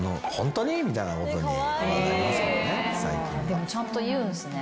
でもちゃんと言うんすね。